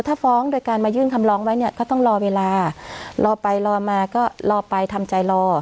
ถ้าฟ้องโดยการมายื่นคำร้องไว้เนี่ยก็ต้องรอเวลารอไปรอมาก็รอไปทำใจรอ